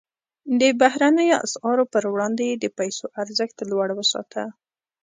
د بهرنیو اسعارو پر وړاندې یې د پیسو ارزښت لوړ وساته.